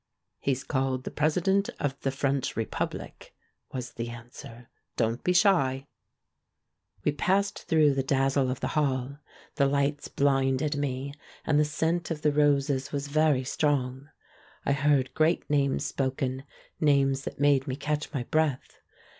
"He's called the President of the French Re public," was the answer. "Don't be shy." 220 THE MAN WHO UNDERSTOOD WOMEN We passed through the dazzle of the hall. The lights blinded me, and the scent of the roses was very strong. I heard great names spoken, names that made me catch my breath.